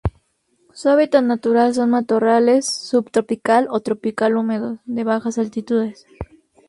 Su hábitat natural son matorrales subtropical o tropical húmedos, de bajas altitudes.